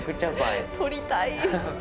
撮りたい。